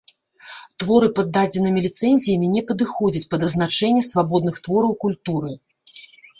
Творы пад дадзенымі ліцэнзіямі не падыходзяць пад азначэнне свабодных твораў культуры.